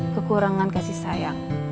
kekurangan kasih sayang